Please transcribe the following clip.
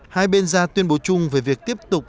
hai bên ra tuyên bố chung về việc tiếp tục